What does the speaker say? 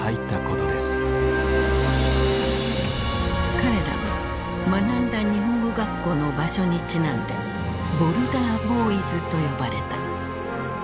彼らは学んだ日本語学校の場所にちなんで「ボルダー・ボーイズ」と呼ばれた。